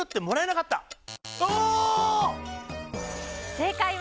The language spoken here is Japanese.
正解は。